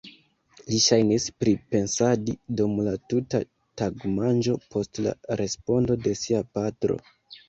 Li ŝajnis pripensadi dum la tuta tagmanĝo post la respondo de sia patro.